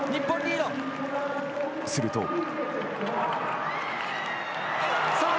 すると。